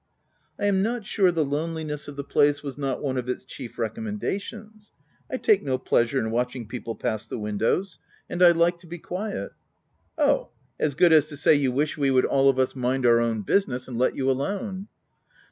u I am not sure the loneliness of the place was not one of its chief recommendations — I take no pleasure in watching people pass the windows ; and I like to be quiet.*' a Oh ! as good as to say, you wish we would all of us mind our own business, and let you alone."